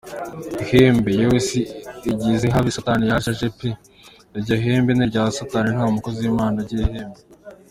Ihembe! Yewe isi igezehabi satan yaje aje pe iryohembe niryasatani ntamukozi wimana ugira Ihembe.